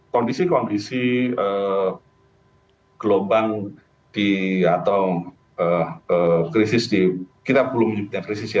kondisi kondisi gelombang di atau krisis di kita belum menyebutnya krisis ya